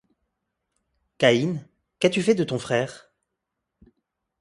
Caïn, qu'as-tu fait de ton frère?